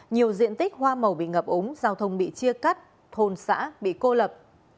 nhiều diện tích hoa màu bị ngập ống giao thông bị chia cắt thôn xã bị cô lập